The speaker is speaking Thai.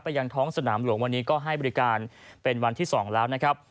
ยังท้องสนามหลวงวันนี้ก็ให้บริการเป็นวันที่๒แล้วนะครับ